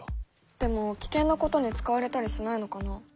でも危険なことに使われたりしないのかな？